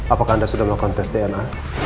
apakah anda sudah melakukan tes dna